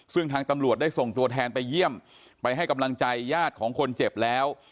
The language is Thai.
ซึ่งทางตำรวจได้ส่งตัวแทนไปเยี่ยมไปให้กำลังใจญาติของคนเจ็บแล้ว